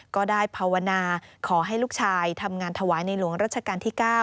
ก็ได้ภาวนาขอให้ลูกชายทำงานถวายในหลวงรัชกาลที่๙